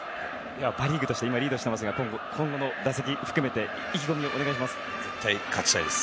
パ・リーグとして今、リードしていますが今後の打席含めて絶対に勝ちたいです。